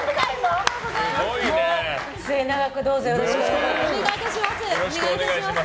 末永くどうぞよろしくお願いします。